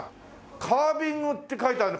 カービングって書いてある。